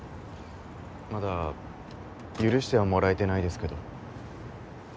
まだ許してはもらえてないですけど。